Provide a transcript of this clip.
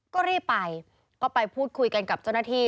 ก็รีบไปก็ไปพูดคุยกันกับเจ้าหน้าที่